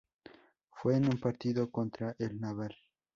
Fue en un partido contra el Naval.